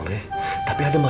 lupa si hebe